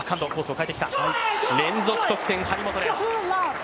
連続得点、張本です。